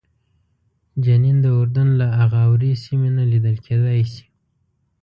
جنین د اردن له اغاورې سیمې نه لیدل کېدای شي.